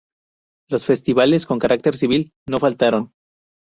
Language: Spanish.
Las festividades con carácter civil no faltaron.